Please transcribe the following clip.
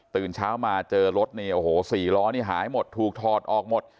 ตื่นเช้ามาเจอรถเนี่ยโอ้โห๔ล้อนี่หายหมดถูกถอดออกหมด